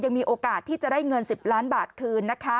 มีโอกาสที่จะได้เงิน๑๐ล้านบาทคืนนะคะ